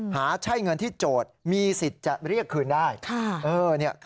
หาใช่เงินที่โจทย์มีสิทธิ์จะเรียกคืนได้